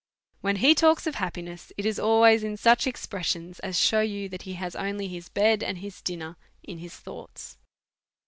When he talks of happiness, it is always in such expressions as shew you that he has only his bed and his dinner in his thoughts.